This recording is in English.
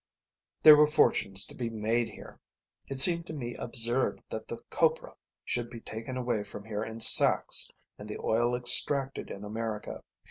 There were fortunes to be made here. It seemed to me absurd that the copra should be taken away from here in sacks and the oil extracted in America.